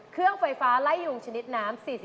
เครื่องไฟฟ้าไล่ยุงชนิดน้ำ๔๐